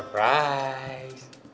mungkin dia punya segala macam